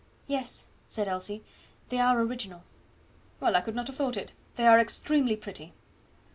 "Yes," said Elsie, "they are original." "Well, I could not have thought it; they are extremely pretty."